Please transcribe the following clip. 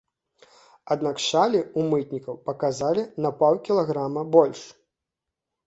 Аднак шалі ў мытнікаў паказалі на паўкілаграма больш.